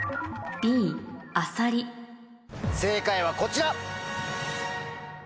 正解はこちら。